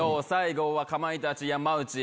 最後はかまいたち・山内